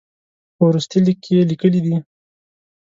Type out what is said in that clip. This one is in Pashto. په وروستي لیک کې یې لیکلي دي.